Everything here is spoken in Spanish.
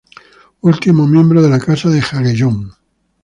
Última miembro de la Casa de Jagellón.